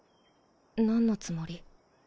何のつもり？